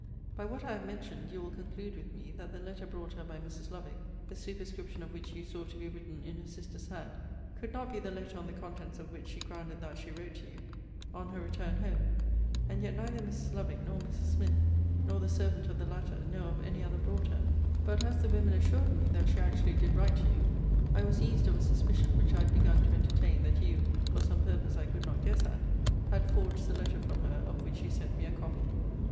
By what I have mentioned, you will conclude with me, that the letter brought her by Mrs. Lovick (the superscription of which you saw to be written in her sister's hand) could not be the letter on the contents of which she grounded that she wrote to you, on her return home. And yet neither Mrs. Lovick, nor Mrs. Smith, nor the servant of the latter, know of any other brought her. But as the women assured me, that she actually did write to you, I was eased of a suspicion which I had begun to entertain, that you (for some purpose I could not guess at) had forged the letter from her of which you sent me a copy.